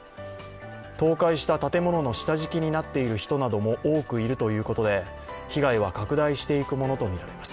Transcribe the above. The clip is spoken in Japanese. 倒壊した建物の下敷きになっている人なども多くいるということで、被害は拡大していくものとみられます。